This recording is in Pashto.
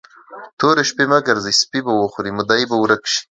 تورې شپې مه ګرځئ؛ سپي به وخوري، مدعي به ورک شي.